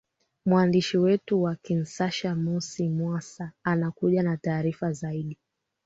mwandishi wetu wa kinshasa mosi mwasi anakuja na taarifa zaidi